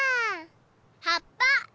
はっぱ！